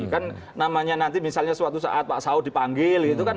kan namanya nanti misalnya suatu saat pak saud dipanggil gitu kan